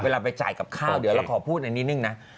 ไปจ่ายกับข้าวเดี๋ยวเราขอพูดในนิดนึงนะ